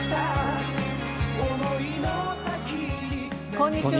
こんにちは。